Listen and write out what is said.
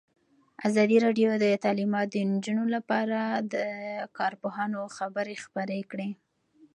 ازادي راډیو د تعلیمات د نجونو لپاره په اړه د کارپوهانو خبرې خپرې کړي.